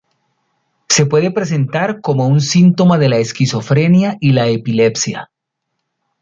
Se puede presentar como un síntoma de la esquizofrenia y la epilepsia.